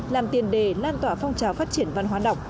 làm tiền đề lan tỏa phong trào phát triển văn hóa đọc